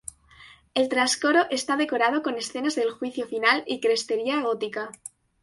El trascoro está decorado con escenas del Juicio Final y crestería gótica.